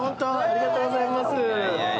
ありがとうございます。